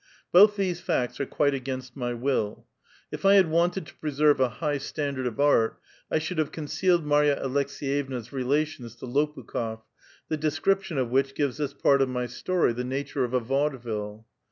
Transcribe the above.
Both these facts are quite against my will. If I had wanted to preserve a high standard of art, 1 should have concealed Marya Aleks<^yevna's relations to Lopukh6f, the description of which gives this part of my story the nature of a vaudeville.